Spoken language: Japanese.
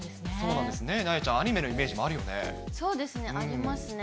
なえちゃん、アニメのイメージもあるよね。